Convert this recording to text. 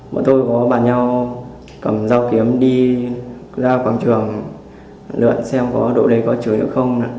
bọn tôi có bàn nhau cầm dao kiếm đi ra quảng trường lượn xem độ đầy có chửi hay không